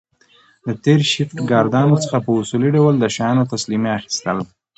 د تېر شفټ ګاردانو څخه په اصولي ډول د شیانو تسلیمي اخیستل